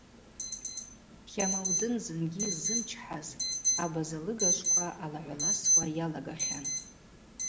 Хама удын зынгьи йыззымчхӏаз абаза лыгажвква алагӏваласуа йалагахьан.